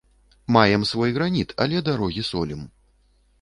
Маем свой граніт, але дарогі солім.